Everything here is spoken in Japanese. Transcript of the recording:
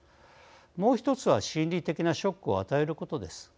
もう１つは、心理的なショックを与えることです。